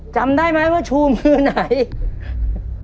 จำได้ไหมว่าชูมือไหน